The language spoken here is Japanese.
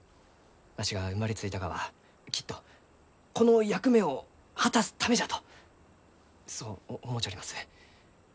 わしが生まれついたがはきっとこの役目を果たすためじゃとそう思うちょります。